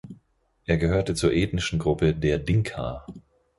Er gehörte zur ethnischen Gruppe der Dinka.